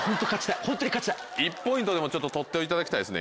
１ポイントでも取っていただきたいですね。